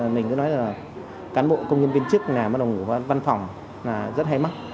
mình cứ nói là cán bộ công nhân viên chức làm bắt đầu ngủ văn phòng là rất hay mắc